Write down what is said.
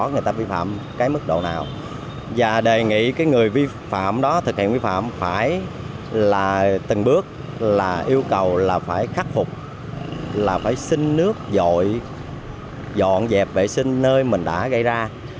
người ta vi phạm cái mức độ nào và đề nghị cái người vi phạm đó thực hiện vi phạm phải là từng bước là yêu cầu là phải khắc phục là phải xin nước dội dọn dẹp vệ sinh nơi mình đã gây ra